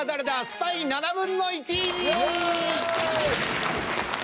スパイ７分の１！イェイ！